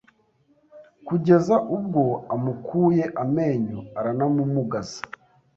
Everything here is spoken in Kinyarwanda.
kugeza ubwo amukuye amenyo aranamumugaza